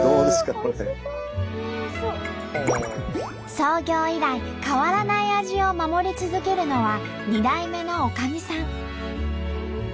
創業以来変わらない味を守り続けるのは２代目のおかみさん。